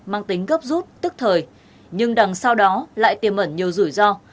mang tính gấp rút tức thời nhưng đằng sau đó lại tiềm ẩn nhiều rủi ro